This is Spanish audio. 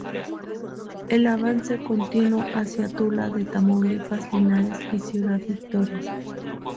El avance continuó hacia Tula de Tamaulipas, Linares y Ciudad Victoria.